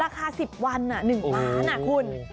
ราคา๑๐วัน๑ล้านคุณ